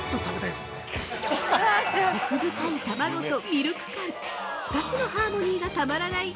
奥深い卵とミルク感、２つのハーモニーがたまらない